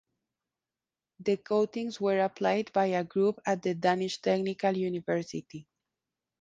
The coatings were applied by a group at the Danish Technical University.